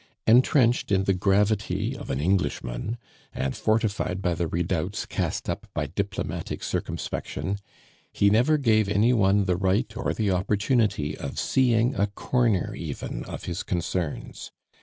Entrenched in the gravity of an Englishman, and fortified by the redoubts cast up by diplomatic circumspection, he never gave any one the right or the opportunity of seeing a corner even of his concerns.